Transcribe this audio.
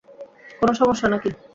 কোনো সমস্যা নাকি?